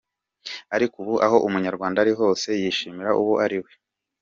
Ariko ubu aho umunyarwanda ari hose yishimira uwo ariwe.